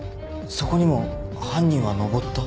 そこにも犯人は上った？